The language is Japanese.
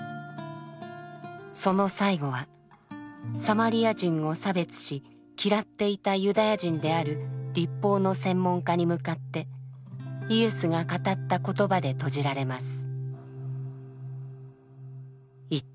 その最後はサマリア人を差別し嫌っていたユダヤ人である律法の専門家に向かってイエスが語った言葉で閉じられます。